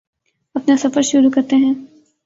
اپنا سفر شروع کرتے ہیں